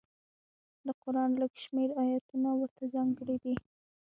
د قران لږ شمېر ایتونه ورته ځانګړي دي.